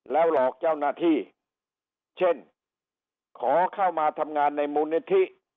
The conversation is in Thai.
หลอกเจ้าหน้าที่เช่นขอเข้ามาทำงานในมูลนิธิ